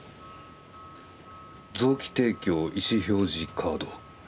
「臓器提供意思表示カード」。